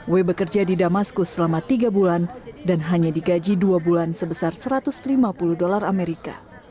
w bekerja di damaskus selama tiga bulan dan hanya digaji dua bulan sebesar satu ratus lima puluh dolar amerika